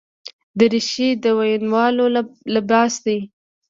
دریشي د ویناوالو لباس دی.